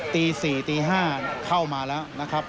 ตี๔ตี๕เข้ามาแล้ว